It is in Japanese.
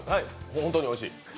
本当においしい？